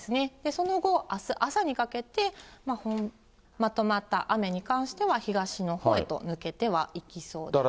その後、あす朝にかけて、まとまった雨に関しては東のほうへと抜けてはいきそうです。